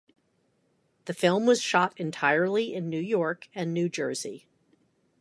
The film was shot entirely in New York and New Jersey.